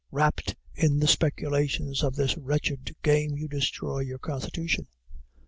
Wrapt in the speculations of this wretched game, you destroy your constitution.